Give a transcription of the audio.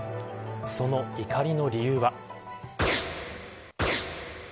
その怒りの理由は。